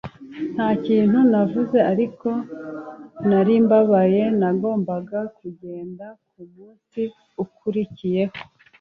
Ntakintu navuze ariko nari mbabaye, nagombaga kugenda ku munsi ukurikiyeho